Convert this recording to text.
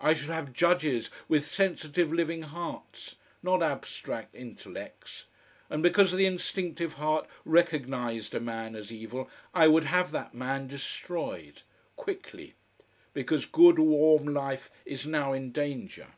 I should have judges with sensitive, living hearts: not abstract intellects. And because the instinctive heart recognised a man as evil, I would have that man destroyed. Quickly. Because good warm life is now in danger.